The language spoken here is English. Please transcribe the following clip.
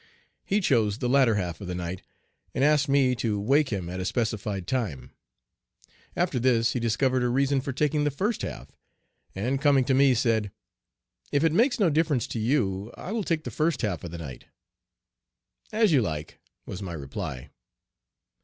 He chose the latter half of the night, and asked me to wake him at a specified time. After this he discovered a reason for taking the first half, and coming to me said: "If it makes no difference to you I will take the first half of the night." "As you like," was my reply.